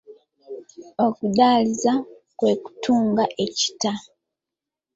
Okudaaliza kwe kutunga ekitta.